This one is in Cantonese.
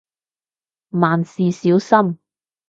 萬事小心